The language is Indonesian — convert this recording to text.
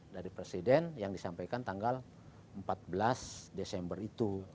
dari presiden yang disampaikan tanggal empat belas desember itu